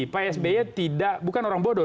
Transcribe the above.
pak s b ya tidak bukan orang bodoh